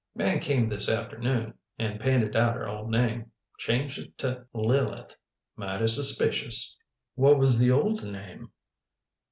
"Man came this afternoon and painted out her old name. Changed it t' Lileth. Mighty suspicious." "What was the old name?"